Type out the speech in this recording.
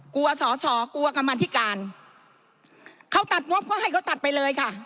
กลัวสอสอกลัวกรรมธิการเขาตัดงบก็ให้เขาตัดไปเลยค่ะ